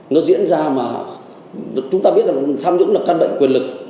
nó diễn ra mà chúng ta biết là tham nhũng là căn bệnh quyền lực